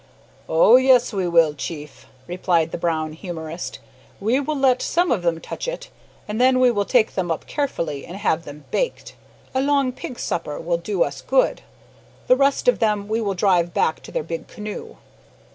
"Oh! yes, we will, chief," replied the brown humorist. "We will let some of them touch it, and then we will take them up carefully, and have them baked. A long pig supper will do us good. The rest of them we will drive back to their big canoe."